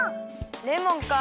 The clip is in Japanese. レモンか。